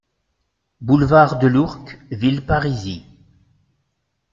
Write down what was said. Boulevard de l'Ourcq, Villeparisis